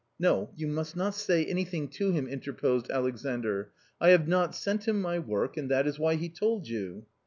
..." "No, you must not say anything to him," interposed Alexandr ;" I have not sent him my work, and that is why he told you."